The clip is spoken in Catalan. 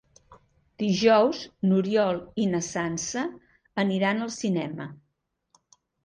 Dijous n'Oriol i na Sança aniran al cinema.